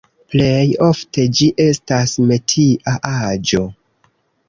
Plej ofte ĝi estas metia aĵo.